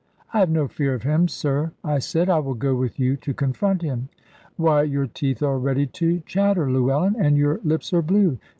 "I have no fear of him, sir," I said; "I will go with you to confront him." "Why, your teeth are ready to chatter, Llewellyn; and your lips are blue!